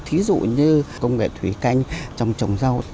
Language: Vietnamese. thí dụ như công nghệ thủy canh trong trồng rau